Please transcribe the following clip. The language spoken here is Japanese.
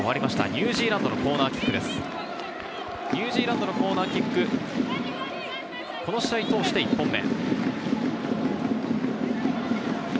ニュージーランドのコーナーキックはこの試合通して１本目。